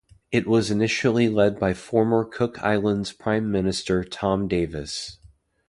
It was initially led by former Cook Islands prime Minister Tom Davis.